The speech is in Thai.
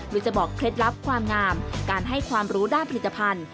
โดยจะบอกเคล็ดลับความงามการให้ความรู้ด้านผลิตภัณฑ์